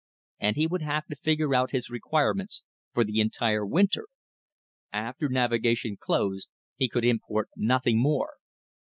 And he would have to figure out his requirements for the entire winter. After navigation closed, he could import nothing more.